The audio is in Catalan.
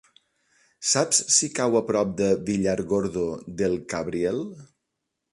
Saps si cau a prop de Villargordo del Cabriel?